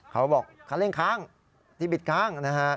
เขาบอกคันเร่งค้างที่บิดค้างนะฮะ